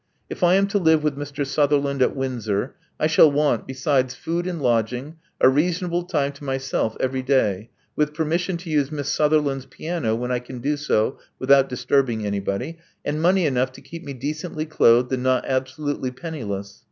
If I am to live with Mr. Sutherland at Windsor, I shall want, besides food and lodging, a reasonable time to myself every day, with permission to use Miss Sutherland's piano when I can do so without disturbing anybody, and money enough to keep me decently clothed, and not absolutely penniless.